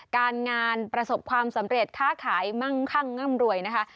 การงานประสบความสำเร็จค้าขายมั่งคั่งร่ำรวยนะคะ